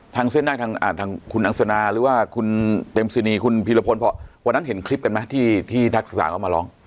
เส้นได้ทางคุณอังสนาหรือว่าคุณเต็มซินีคุณพีรพลพอวันนั้นเห็นคลิปกันไหมที่นักศึกษาเขามาร้อง